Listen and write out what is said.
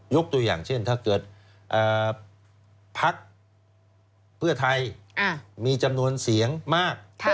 ยกตัวอย่างเช่นถ้าเกิดเอ่อพักเพื่อไทยอ่ามีจำนวนเสียงมากครับ